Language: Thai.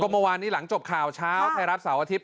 เมื่อวานนี้หลังจบข่าวเช้าไทยรัฐเสาร์อาทิตย